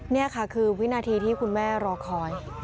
นี่ค่ะคือวินาทีที่คุณแม่รอคอย